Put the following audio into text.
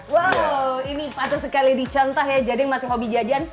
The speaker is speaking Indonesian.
wow ini patut sekali dicontoh ya jadi masih hobi jadian